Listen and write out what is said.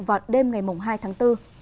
vào đêm ngày hai tháng bốn